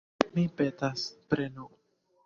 Mi petas, prenu!